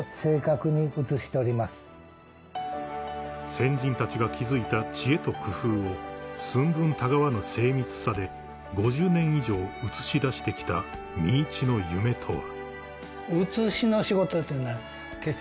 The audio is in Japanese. ［先人たちが築いた知恵と工夫を寸分たがわぬ精密さで５０年以上写し出してきた見市の夢とは］